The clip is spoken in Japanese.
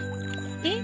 えっ？